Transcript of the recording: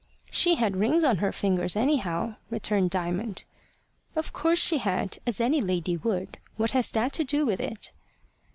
"She had rings on her fingers, anyhow," returned Diamond. "Of course she had, as any lady would. What has that to do with it?"